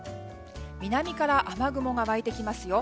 南から雨雲が湧いてきますよ。